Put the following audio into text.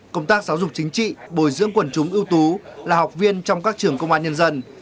công tác giáo dục chính trị bồi dưỡng quần chúng ưu tú là học viên trong các trường công an nhân dân